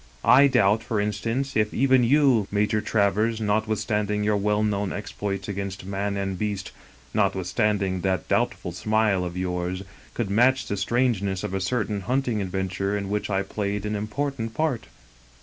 I doubt, for instance, if even you. Major Travers, notwithstanding your well known exploits against man and beast, notwithstanding that doubt ful smile of yours, could match the strangeness of a certain hunting adventure in which I played an important part."